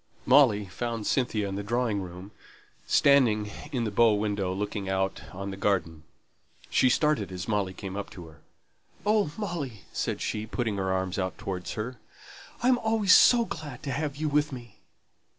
Molly found Cynthia in the drawing room, standing in the bow window, looking out on the garden. She started as Molly came up to her. "Oh, Molly," said she, putting her arms out towards her, "I am always so glad to have you with me!"